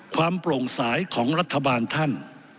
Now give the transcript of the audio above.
โปร่งสายของรัฐบาลท่าน